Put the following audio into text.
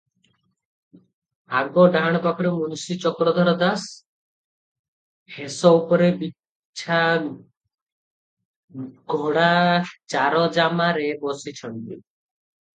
ଆଗ ଡାହାଣପାଖରେ ମୁନସି ଚକ୍ରଧର ଦାସ ହେଁସ ଉପରେ ବିଛା ଘୋଡ଼ା ଚାରଜାମାରେ ବସିଛନ୍ତି ।